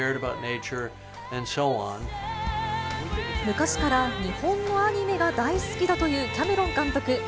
昔から日本のアニメが大好きだというキャメロン監督。